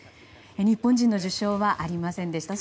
日本人の受賞はありませんでした。